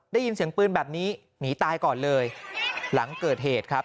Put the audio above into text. ได้ยินเสียงปืนแบบนี้หนีตายก่อนเลยหลังเกิดเหตุครับ